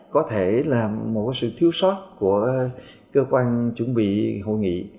có thể là một sự thiếu sót của cơ quan chuẩn bị hội nghị